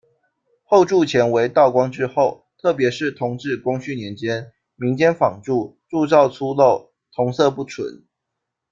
后铸钱为道光之后，特别是同治、光绪年间民间仿铸，铸造粗陋，铜色不纯。